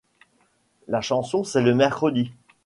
La chanson c’est le mercredi.